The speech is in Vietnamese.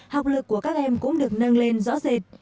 học lực của các em cũng được nâng lên rõ rệt